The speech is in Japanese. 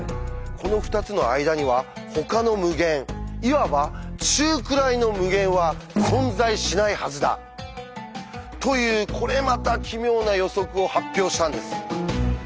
この２つの間にはほかの無限いわば「中くらいの無限」は存在しないはずだ！というこれまた奇妙な予測を発表したんです。